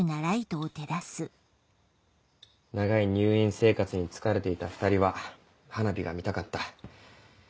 長い入院生活に疲れていた２人は花火が見たかった。